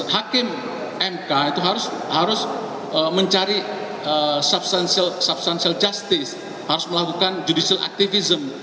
hakim mk itu harus mencari substansial justice harus melakukan judicial activism